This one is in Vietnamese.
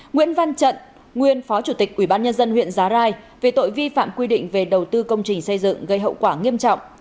nguyễn văn trận nguyên phó chủ tịch ủy ban nhân dân huyện giá rai về tội vi phạm quy định về đầu tư công trình xây dựng gây hậu quả nghiêm trọng